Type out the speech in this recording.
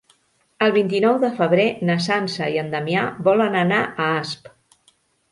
El vint-i-nou de febrer na Sança i en Damià volen anar a Asp.